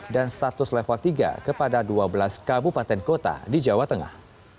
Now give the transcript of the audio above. dan status level tiga kepada dua belas kabupaten kota di jawa tengah